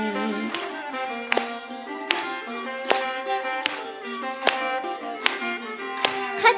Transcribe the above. เขาจะอยู่ได้อีกครั้ง